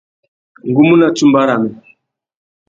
Ngu mú nà tsumba râmê.